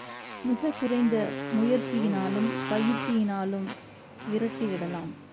மிகக் குறைந்த முயற்சியினாலும் பயிற்சியினாலும் விரட்டி விடலாம்.